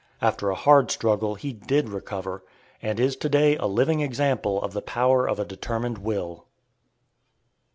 After a hard struggle he did recover, and is to day a living example of the power of a determined will.